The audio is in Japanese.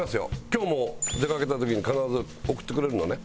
今日も出かけた時に必ず送ってくれるのね